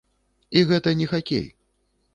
І гэта не хакей.